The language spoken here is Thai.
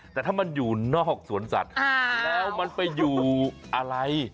แต่ถ้ามันอยู่นอกสวนสัตว์แล้วมันไปอยู่อะไร